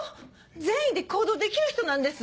善意で行動できる人なんです！